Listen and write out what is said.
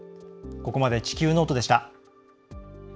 ここまで「地球ノート」でした。